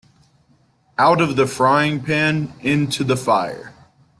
Out of the frying pan into the fire.